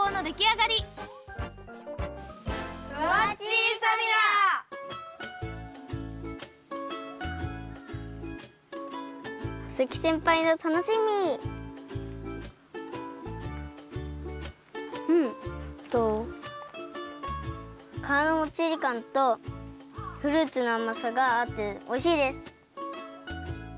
かわのもっちりかんとフルーツのあまさがあっておいしいです！